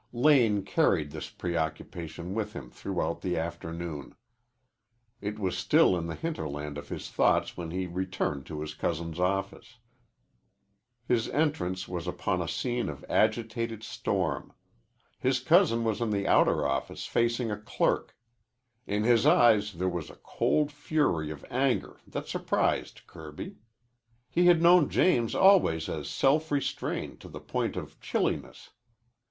Lane carried this preoccupation with him throughout the afternoon. It was still in the hinterland of his thoughts when he returned to his cousin's office. His entrance was upon a scene of agitated storm. His cousin was in the outer office facing a clerk. In his eyes there was a cold fury of anger that surprised Kirby. He had known James always as self restrained to the point of chilliness.